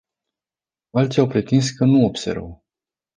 Alții au pretins că nu observă.